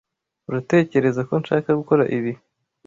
Uratekereza ko nshaka gukora ibi?